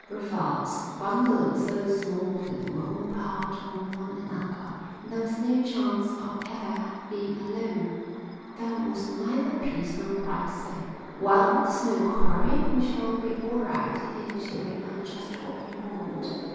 Brevald's bungalow was so small that they were all piled on one another, and there was no chance of ever being alone. There was neither peace nor privacy. "Well, there's no hurry. We shall be all right here till we find just what we want."